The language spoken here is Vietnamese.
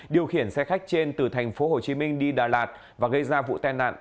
điều khiển xe khách trên từ thành phố hồ chí minh đi đà lạt và gây ra vụ tên nạn